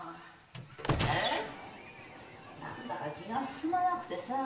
ええ⁉何だか気が進まなくてさ。